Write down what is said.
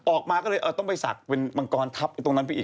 ออกมาก็เลยต้องไปศักดิ์เป็นมังกรทัพตรงนั้นไปอีก